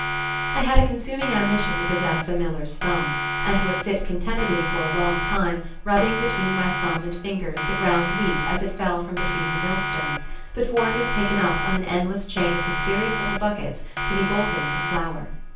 I had a consuming ambition to posses a miller's thumb, and would sit contentedly for a long time rubbing between my thumb and fingers the ground wheat as it fell from between the millstones, before it was taken up on an endless chain of mysterious little buckets to be bolted into flour.